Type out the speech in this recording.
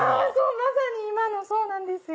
まさにそうなんですよ。